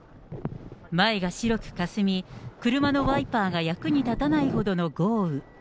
前が白くかすみ、車のワイパーが役に立たないほどの豪雨。